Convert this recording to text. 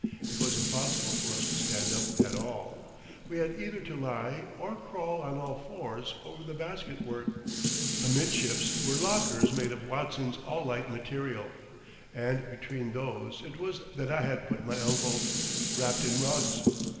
It was impossible for us to stand up at all; we had either to lie or crawl on all fours over the basket work. Amidships were lockers made of Watson's Aulite material,—and between these it was that I had put my uncle, wrapped in rugs.